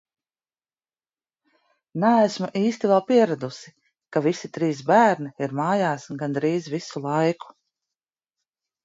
Neesmu īsti vēl pieradusi, ka visi trīs bērni ir mājās gandrīz visu laiku.